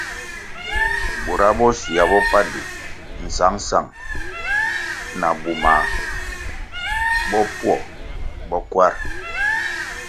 Bura bo shywua bopandi sangsang na bumah bopwo bo kwar.